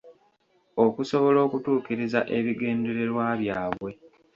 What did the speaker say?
Okusobola okutuukiriza ebigendererwa byabwe.